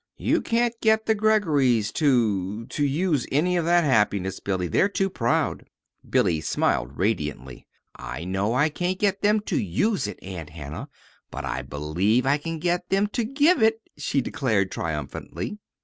"You can't get the Greggorys to to use any of that happiness, Billy. They're too proud." Billy smiled radiantly. "I know I can't get them to use it, Aunt Hannah, but I believe I can get them to give it," she declared triumphantly.